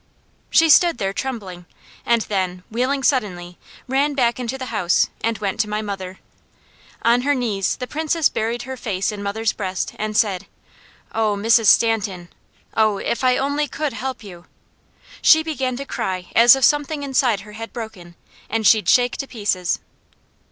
She stood there trembling, and then, wheeling suddenly, ran back into the house, and went to my mother. On her knees, the Princess buried her face in mother's breast and said: "Oh Mrs. Stanton! Oh, if I only could help you!" She began to cry as if something inside her had broken, and she'd shake to pieces.